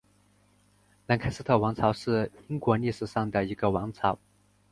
兰开斯特王朝是英国历史上的一个王朝。